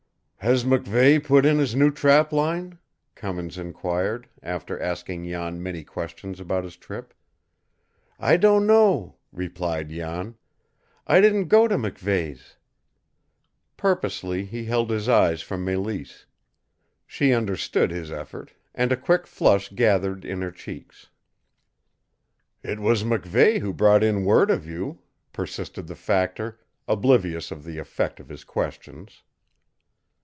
"Has MacVeigh put in his new trap line?" Cummins inquired, after asking Jan many questions about his trip. "I don't know," replied Jan. "I didn't go to MacVeighs'." Purposely he held his eyes from Mélisse. She understood his effort, and a quick flush gathered in her cheeks. "It was MacVeigh who brought in word of you," persisted the factor, oblivious of the effect of his questions.